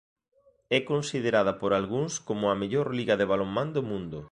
É considerada por algúns como a mellor liga de balonmán do mundo.